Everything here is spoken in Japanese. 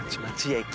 駅。